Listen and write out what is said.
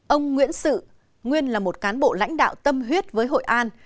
ông nguyễn sự nguyên là một cán bộ lãnh đạo tâm huyết với hội an